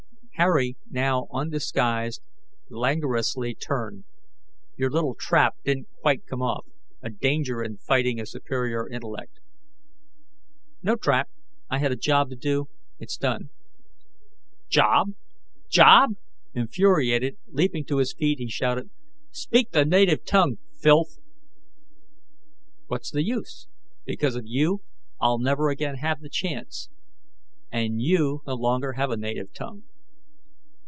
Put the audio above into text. Harry, now undisguised, languorously turned. "Your little trap didn't quite come off a danger in fighting a superior intellect." "No trap. I had a job to do; it's done." "Job? Job?" Infuriated, leaping to his feet, he shouted, "Speak the native tongue, filth!" "What's the use? Because of you, I'll never again have the chance. And you no longer have a native tongue."